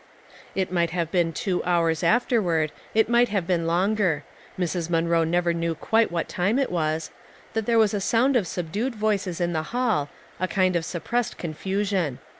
It might have been two houis afterward, it might have been longer — Mrs. Munroe nevei knew quite what time it was, — that there was a sound of subdued voices in the hall, a kind of suppressed confusion.